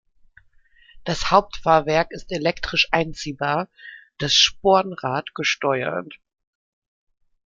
Das Hauptfahrwerk ist elektrisch einziehbar, das Spornrad gesteuert.